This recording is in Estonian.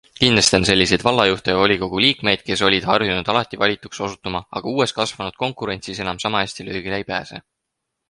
Kindlasti on selliseid vallajuhte ja volikogude liikmeid, kes olid harjunud alati valituks osutuma, aga uues kasvanud konkurentsis enam sama hästi löögile ei pääse.